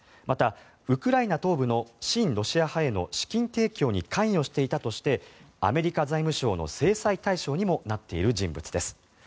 また、ウクライナ東部の親ロシア派への資金提供に関与していたとしてアメリカ財務省の制裁対象にもなっている人物です。